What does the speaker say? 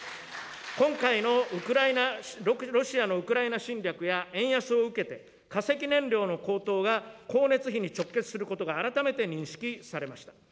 今回のロシアのウクライナ侵略や円安を受けて、化石燃料の高騰が、光熱費に直結することが改めて認識されました。